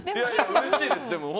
うれしいです。